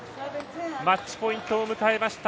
マッチポイントを迎えました。